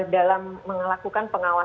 dalam mengelakukan pengawasan